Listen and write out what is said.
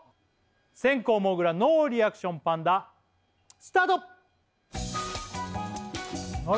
先攻もぐらノーリアクションパンダスタートあれ？